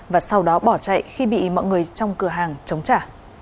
và sau đó bỏ chạy khi bị mọi người trong cửa hàng chống trả